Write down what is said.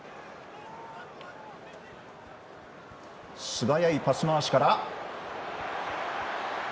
素早いパス回しから。